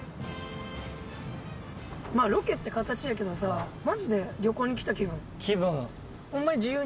まあロケって形やけどさマジで旅行に来た気分。